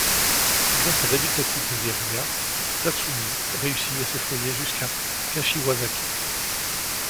Grâce à d'habiles tactiques de guérilla, Tatsumi réussit à se frayer jusqu'à Kashiwazaki.